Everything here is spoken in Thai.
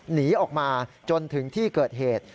หนีออกมาจนถึงที่เกิดเหตุ